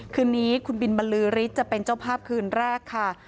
คืนนี้คุณบินบรรลือฤทธิ์จะเป็นเจ้าภาพคืนแรกค่ะ